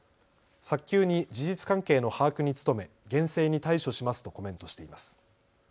早急に事実関係の把握に努め厳正に対処しますとコメントしています。